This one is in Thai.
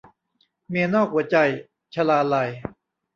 เมียนอกหัวใจ - ชลาลัย